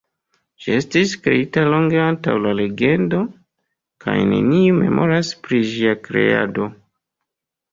Ĝi estis kreita longe antaŭ la legendo kaj neniu memoras pri ĝia kreado.